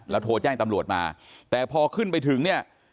โทรแจ้งตำรวจมาแต่พอขึ้นไปถึงเนี่ย